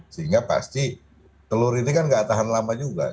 sehingga pasti telur ini kan gak tahan lama juga